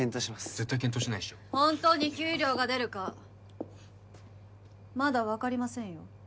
絶対検討しないっしょホントに給料が出るかまだ分かりませんよ